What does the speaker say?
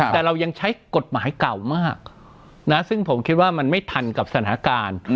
แต่เรายังใช้กฎหมายเก่ามากนะซึ่งผมคิดว่ามันไม่ทันกับสถานการณ์